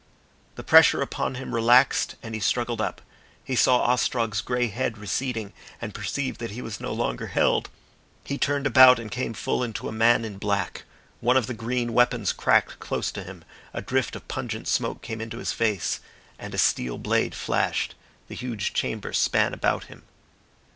The pressure upon him relaxed and he struggled up. He saw Ostrog's grey head receding and perceived that he was no longer held. He turned about and came full into a man in black. One of the green weapons cracked close to him, a drift of pungent smoke came into his face, and a steel blade flashed. The huge chamber span about him.